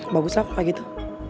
bagus lah kok kayak gitu